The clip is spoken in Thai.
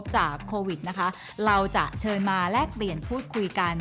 จากโควิดนะคะเราจะเชิญมาแลกเปลี่ยนพูดคุยกัน